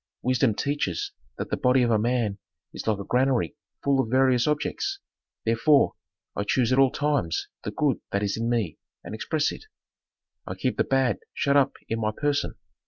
"Wisdom teaches that the body of a man is like a granary full of various objects. Therefore, I choose at all times the good that is in me and express it. I keep the bad shut up in my person.